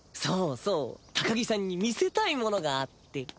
そうそう高木さんに見せたいものがあって。